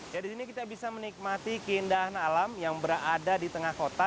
ya di sini kita bisa menikmati keindahan alam yang berada di tengah kota